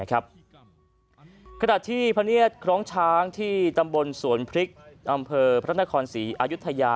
ขณะที่พระเนียดคล้องช้างที่ตำบลสวนพริกอำเภอพระนครศรีอายุทยา